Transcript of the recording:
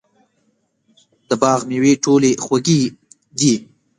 د باغ مېوې ټولې خوږې دي.